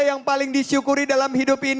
yang sudah menonton